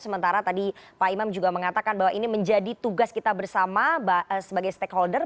sementara tadi pak imam juga mengatakan bahwa ini menjadi tugas kita bersama sebagai stakeholder